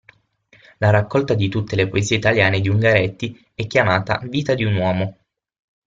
La raccolta di tutte le poesie italiane di Ungaretti è chiamata Vita di un uomo.